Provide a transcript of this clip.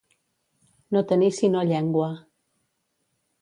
No tenir sinó llengua.